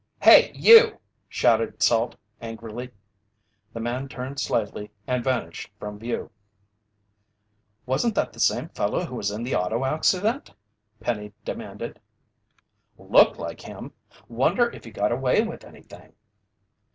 "Hey, you!" shouted Salt angrily. The man turned slightly and vanished from view. "Wasn't that the same fellow who was in the auto accident?" Penny demanded. "Looked like him! Wonder if he got away with anything?"